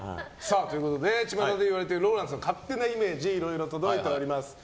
巷で言われているＲＯＬＡＮＤさんの勝手なイメージいろいろ届いております。